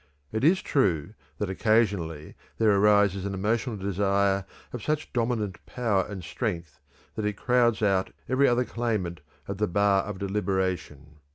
It is true that occasionally there arises an emotional desire of such dominant power and strength that it crowds out every other claimant at the bar of deliberation.